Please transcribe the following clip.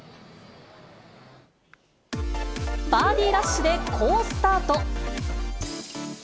バーディーラッシュで好スタート。